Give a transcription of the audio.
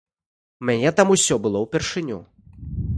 У мяне там усё было ўпершыню.